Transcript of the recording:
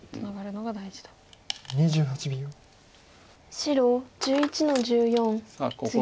白１１の十四ツギ。